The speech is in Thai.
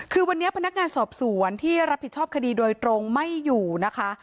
คือวันนี้พนักงานสอบสวนที่รับผิดชอบคดีโดยตรงไม่อยู่นะคะ